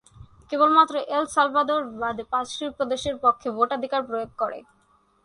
কেবলমাত্র El Salvador বাদে পাঁচটি প্রদেশ এর পক্ষে ভোটাধিকার প্রয়োগ করে।